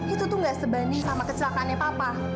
itu tuh gak sebanding sama kecelakaannya papa